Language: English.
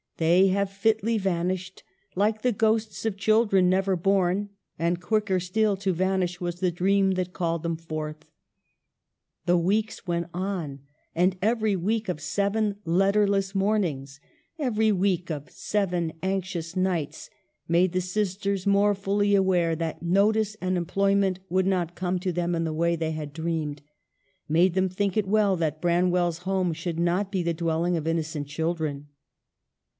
They have fitly vanished, like the ghosts of children never born ; and quicker still to vanish was the dream that called them forth. The weeks went on, and every week of seven letterless mornings, every week of seven anxious nights, made the sisters more fully aware that notice and employment would not come to them in the way they had dreamed ; made them think it well that Branwell's home should not be the dwelling of innocent children.